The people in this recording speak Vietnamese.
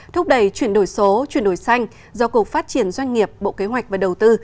thúc đẩy chuyển đổi số chuyển đổi xanh do cục phát triển doanh nghiệp bộ kế hoạch và đầu tư